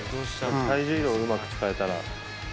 体重移動をうまく使えたら。